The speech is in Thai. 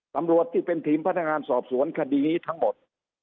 ตำรวจที่เป็นทีมพนักงานสอบสวนคดีนี้ทั้งหมด